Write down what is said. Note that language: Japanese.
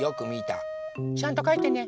ちゃんとかいてね。